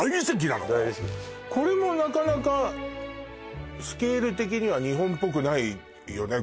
これもなかなかスケール的には日本ぽくないよね